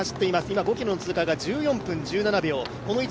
今５ｋｍの通過が１４分１７秒。